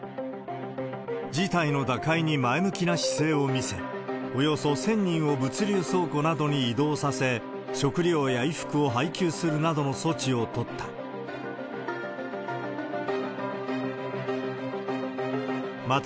事態の打開に前向きな姿勢を見せ、およそ１０００人を物流倉庫などに移動させ、食料や衣服を配給するなどの措置を取った。